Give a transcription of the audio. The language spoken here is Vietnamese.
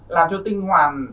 làm cho tinh hoàn